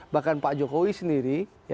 bahkan pak jokowi sendiri